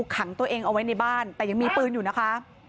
ขังตัวเองเอาไว้ในบ้านแต่ยังมีปืนอยู่นะคะ